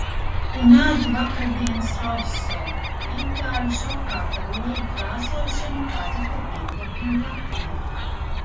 Un ēdu vakardienas rasolu. Itāļi šokā par olu krāsošanu, kādu to piekopjam Latvijā.